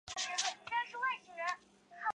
请问一下有不错的 ㄟＰＰ 吗